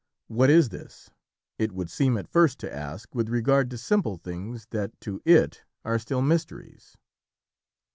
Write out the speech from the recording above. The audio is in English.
"What is this?" it would seem at first to ask with regard to simple things that to it are still mysteries.